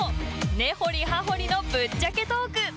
根掘り葉掘りのぶっちゃけトーク。